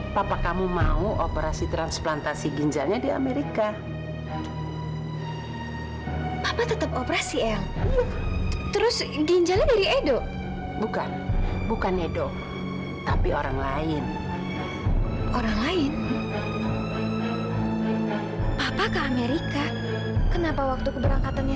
sampai jumpa di video selanjutnya